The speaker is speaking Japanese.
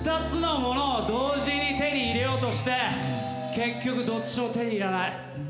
２つのものを同時に手に入れようとして結局どっちも手に入らない。